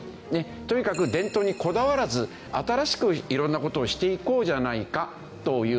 とにかく伝統にこだわらず新しく色んな事をしていこうじゃないかという。